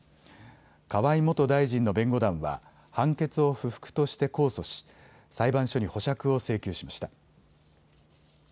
河井元大臣の弁護団は判決を不服として控訴し裁判所に保釈を請求しました。